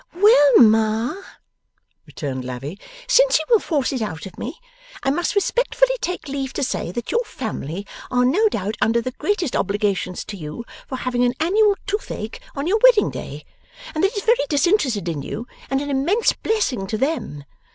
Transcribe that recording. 'Well, Ma,' returned Lavvy, 'since you will force it out of me, I must respectfully take leave to say that your family are no doubt under the greatest obligations to you for having an annual toothache on your wedding day, and that it's very disinterested in you, and an immense blessing to them.